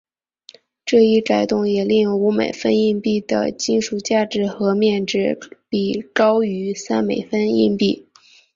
这一改动也令五美分硬币的金属价值和面值比高于三美分硬币。